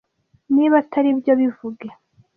Niba atari byo bivuge